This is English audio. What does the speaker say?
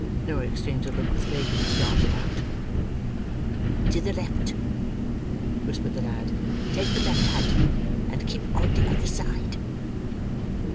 Noah exchanged a look with Fagin, and darted out. "To the left," whispered the lad; "take the left had, and keep od the other side."